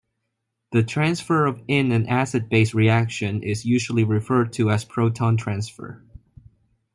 The transfer of in an acid-base reaction is usually referred to as "proton transfer".